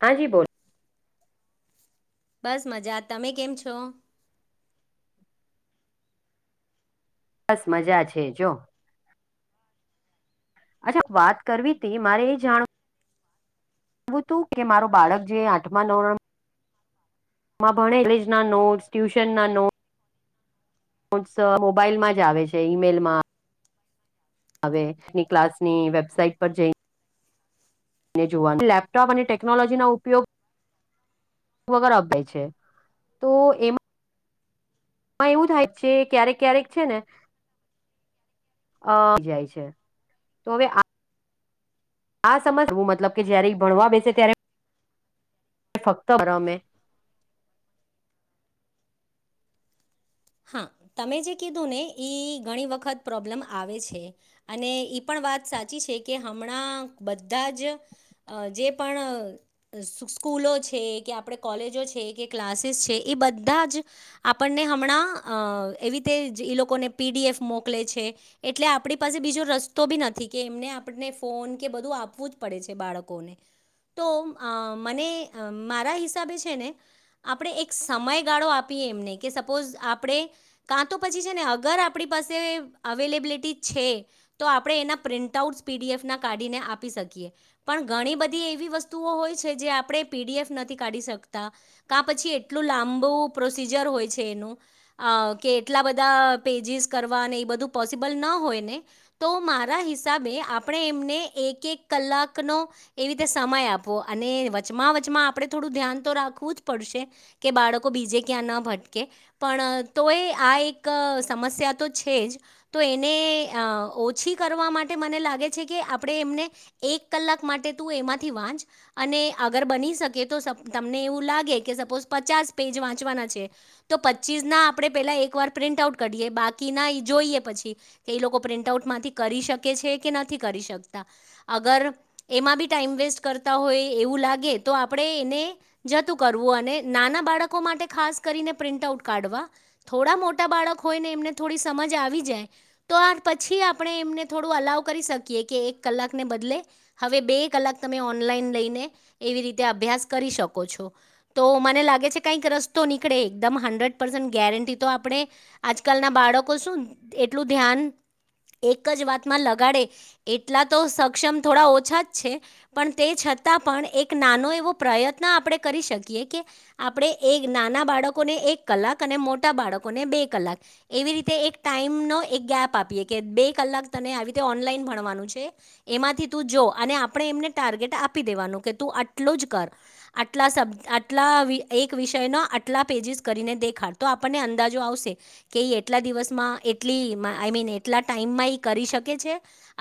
હા જી બોલો બસ મજા તમે કેમ છો? બસ મજા છે જો અચ્છા વાત કરવી તે મારે એ જાણવું વું હતું કે મારું બાળક જે આઠમા નોવ માં માં ભણે કોલેજના નોટસ ટ્યુશન ના નોટ નોટસ મોબાઈલમાં જ આવે છે ઈમેલમાં આવે એ ક્લાસની વેબસાઇટ પર જઈ ને જોવાનું લેપટોપ અને ટેકનોલોજીનો ઉપયોગ વગર અભાય છે તો એમાં હ એવું થાય છે ક્યારેક ક્યારેક છે ને અ જાય છે તો હવે આ આ સમસ તું મતલબ કે જ્યારે ઈ ભણવા બેસે ત્યારે ફક્ત [unintelligible] હા તમે જે કીધું ને એ ઘણી વખત પ્રોબ્લેમ આવે છે અને ઈ પણ વાત સાચી છે કે હમણાં બધા જ જે પણ સુ સ્કૂલો છે કે આપણે કોલેજો છે કે ક્લાસીસ છે એ બધા જ આપણને હમણાં અ એવી રીતે ઈ લોકોને પીડીએફ મોકલે છે એટલે આપણી પાસે બીજો રસ્તો બી નથી એમને આપને ફોન કે બધું આપવું જ પડે છે બાળકોને તો મને મારા હિસાબે છે ને આપણે એક સમયગાળો આપીએ એમને કે સપોઝ આપ કા તો પછી છે ને અગર આપણી પાસે અવેલેબિલિટી છે તો આપણે એના પ્રિન્ટ આઉટ પીડીએફ ના કાઢીને આપી શકીએ પણ ઘણી બધી એવી વસ્તુઓ હોય છે જે આપણે પીડીએફ નથી કાઢી શકતા પછી એટલું લાંબુ પ્રોસીજર હોય છે એનું અ કે એટલા બધા પેજીિસ કરવા એ બધું પોસિબલ ન હોય ને તો મારા હિસા હસાબે આપણે એમને એક એક કલાકનોો એ રીતે સમય આપવો અને વચમાં કમાં આપણે થોડું ધ્યાન તો રાખવું જ પડશે કે બાળકો બીજે ક્યાં ન ભટકે પણ તો એ આ એક સમસ્યા તો છે જ તો એને ઓછી કરવા માટે મ લાગે છે કે આપણે એમને એક કલાક માટે તું એમાંથી વાંચ અને અગર બની તો તમને એવું લાગે કે સપોઝ પચાસ પેજ વાંચવાના છે તો પચીસ ના આપ આપણે પેલા એકવાર પ્રિન્ટ આઉટ કરીએ બાકીના એ જોઈએ પછી કે એ લોકો પ્રિન્ટ આઉટમાંથી કરી શકે છે કે નથી કરી શક અર એમાં બી ટાઈમ વેસ્ટ કરતા હોય એવું લાગે આપણે એને જતું કરવું અને નાના બાળકો માટે ખાસ કરીને પ્રિન્ટ આઉટ કાઢવા થોડા મોટા બાળક હોય ને એમને થોડી સમજ આવી જાય તો આ પછી આપણે એમને થોડું અલાવ કરી શકીએ કે એક કલાકને બદલે હવે બે કલાક તમે ઓનલાઈન લઈને એવી રીતે આપ અભ્યાસ કરી શકો છો તો મને લાગે છે કઈક રસ્તો નીકળે એકદમ હંડ્રેડ પસ ગે તો આપણે આજકાલ ના બાળકો શું એટલું ધ્યાન એક જ વાતમાં લગાડે એટલા તો સક્ષમ થોડા ઓછા જ છે પણ તે છ તા પણ એક નાનો એવો પ્રયત્ન આપણે કરી શકીએ કે આપણે એ નાના બાળકોને એક કલાક અને મોટ બાળકોને બે કલાક એવી રીતે એક ટાઈમ નો એક ગેપ આપીએ કે બે કલાક તને આવી ઓનલા ભણવાનું છે એમાંથી તું જો અને આપણે એમને ટાર્ગેટ આપી દેવાનું કે તું આટલો જ કર આટલા આટલા એક વિષયનો આટલા પેજિસ કરીને દેખાડતો તો આપણને અંદાજો આવશે કે એટલા દિવસમાં એટ આઈ મીન એટલા ટાઈમ માં એ કરી શ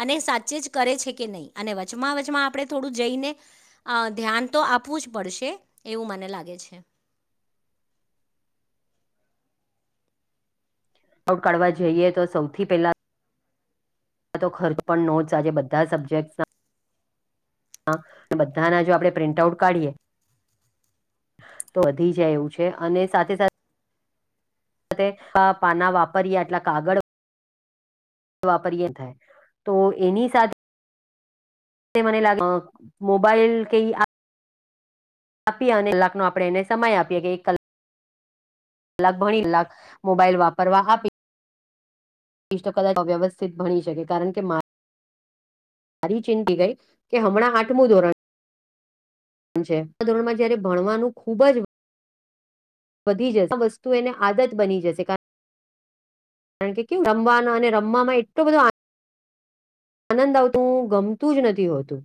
અને સાચે જ કરે છે કે નહી અને વચમાં વચમાં આપણે થોડું જઈને ધ્યાન તો આપવું જ પડશે એવું મને લાગે છે [inaudible] આઉટ કાઢવા જઈએ તો સૌથી પહેલા અં તો ખર્ચ પણ નોટ્સ આજે બધા સબ્જેક્ટ્સ હા બધાના જો આપડણે પ્રિન્ટ આઉટ કાઢીએ તો વધી જાય એવું છે અને સાથે સાથે પાના વાપર્યા એટલા કાગળ વાપરીએ થાય તો એની સાથે તે મને લાગે મોબાઈલ કઈ આ આપીએ અને લાખનો આપણે એને સમય આપીએ કે એક કલાક લાખ ભણી લાખ મોબાાઈલ વાપરવા આપી કિષ્ટ કદાચ અવ્યવસ્થિત ભણી શકે કારણ કે મા સારી ચિંંતી ગઈ કે હમણાં આઠમું ધોરણ છે આ ધોરણમાં જયારે ભણવાનું ખુબ જ વધી જશે આ વસ્તુ એને આદત બની જશે કારણ કારણ કે કેુ રમવાનો અને રમવામાં એટલો બધો આનંદ આવતોું હું ગમતું જ નથી હોતું